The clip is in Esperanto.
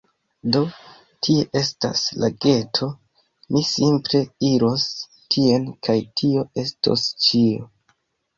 Do, tie estas lageto; mi simple iros tien kaj tio estos ĉio